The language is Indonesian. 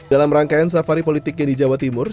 dalam rangkaian safari politiknya di jawa timur